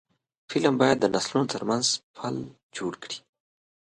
فلم باید د نسلونو ترمنځ پل جوړ کړي